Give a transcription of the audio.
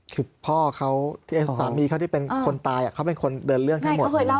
คือพ่อเขาสามีเขาที่เป็นคนตายเขาเป็นคนเดินเรื่องทั้งหมด